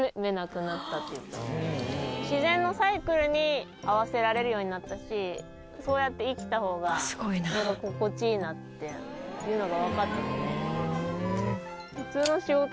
自然のサイクルに合わせられるようになったしそうやって生きた方が心地いいなっていうのがわかったので。